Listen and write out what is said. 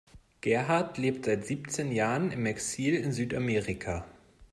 Gerhard lebt seit siebzehn Jahren im Exil in Südamerika.